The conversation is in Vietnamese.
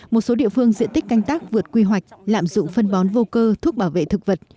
một số địa phương diện tích canh tác vượt quy hoạch lạm dụng phân bón vô cơ thuốc bảo vệ thực vật